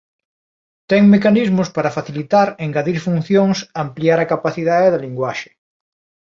Ten mecanismos para facilitar engadir funcións ampliar a capacidade da linguaxe.